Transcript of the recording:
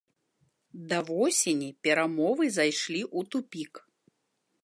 Да восені перамовы зайшлі ў тупік.